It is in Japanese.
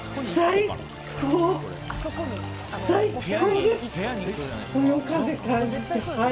最高！